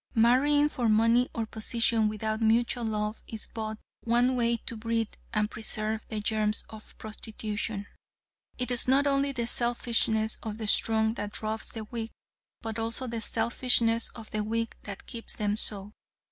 Marrying for money or position without mutual love is but one way to breed and preserve the germs of prostitution. It is not only the selfishness of the strong that robs the weak, but also the selfishness of the weak that keeps them so.